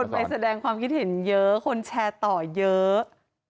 ไปแสดงความคิดเห็นเยอะคนแชร์ต่อเยอะ